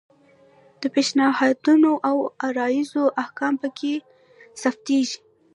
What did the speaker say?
د پیشنهادونو او عرایضو احکام پکې ثبتیږي.